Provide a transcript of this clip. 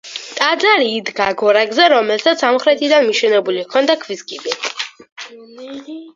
ტაძარი იდგა გორაკზე, რომელსაც სამხრეთიდან მიშენებული ჰქონდა ქვის კიბე.